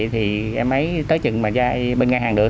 thì em ấy tới chừng mà ra bên ngân hàng được